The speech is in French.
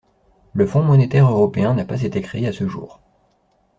Le Fonds monétaire européen n'a pas été créé à ce jour.